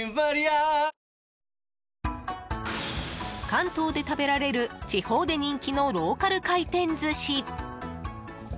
関東で食べられる地方で人気のローカル回転寿司。